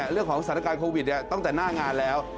เรื่องของสถานการณ์โควิดตั้งแต่หน้างานแล้ว